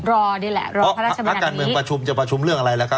รอดีแหละรอพระราชบนัดนี้พระการเมืองประชุมจะประชุมเรื่องอะไรแหละคะ